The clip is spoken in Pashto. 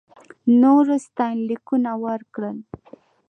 نورو ستاینلیکونه ورکړل.